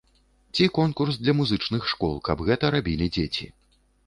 Ці конкурс для музычных школ, каб гэта рабілі дзеці.